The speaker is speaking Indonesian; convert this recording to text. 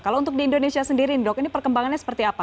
kalau untuk di indonesia sendiri dok ini perkembangannya seperti apa